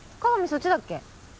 そっちだっけ？